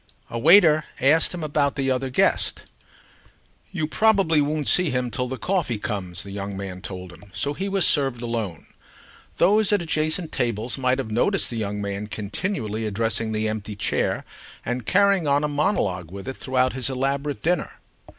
A waiter asked him about the other guest. "You probably won't see him till the coffee comes," the young man told him; so he was served alone. Those at adjacent tables might have noticed the young man continually addressing the empty chair and carrying on a monologue with it throughout his elaborate dinner.